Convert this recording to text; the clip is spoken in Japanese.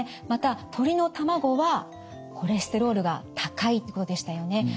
また鶏の卵はコレステロールが高いということでしたよね。